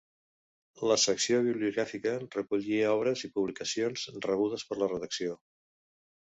La secció bibliogràfica recollia obres i publicacions rebudes per la redacció.